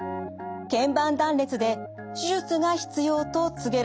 けん板断裂で手術が必要」と告げられたのです。